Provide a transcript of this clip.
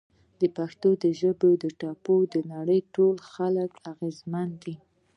د پښتو ژبې له ټپو د نړۍ ټول خلک اغیزمن دي!